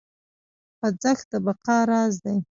خوځښت د بقا راز دی.